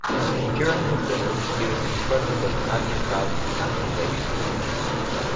During his visit he was confronted with an angry crowd and accusations.